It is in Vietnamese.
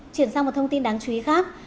chuyển sang một thông tin đáng chú ý khác